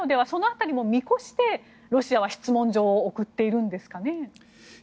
その辺りも見越してロシアは質問状を送っているんですかね。